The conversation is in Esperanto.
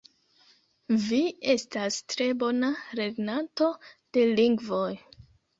Vi estas tre bona lernanto de lingvoj